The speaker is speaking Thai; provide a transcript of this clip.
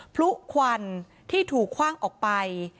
พลุควันที่ถูกคว่างออกไป